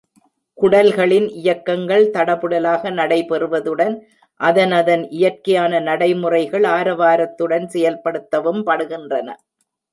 குடல்களின் இயக்கங்கள் தடபுடலாக நடைபெறுவதுடன், அதனதன் இயற்கையான நடைமுறைகள் ஆரவாரத்துடன் செயல்படுத்தவும் படுகின்றன.